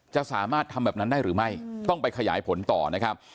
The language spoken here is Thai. จะสามารถทำแบบนั้นได้หรือไม่ต้องไปขยายผลต่อนะครับ